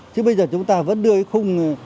chứ bây giờ chúng ta vẫn đưa cái khung